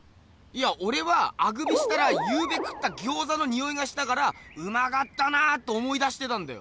おれはアクビしたらゆうべ食ったギョーザのニオイがしたからうまかったなと思い出してたんだよ。